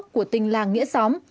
của tình làng nghĩa xóm